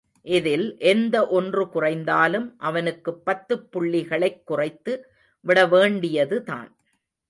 இதில் எந்த ஒன்று குறைந்தாலும் அவனுக்குப் பத்துப் புள்ளிகளைக் குறைத்து விடவேண்டியதுதான்.